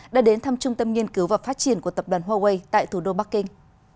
đã đến thăm trung tâm nghiên cứu và phát triển của tập đoàn huawei tại thủ đô bắc kinh